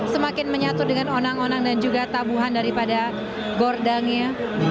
semakin menyatu dengan onang onang dan juga tabuhan daripada gordangnya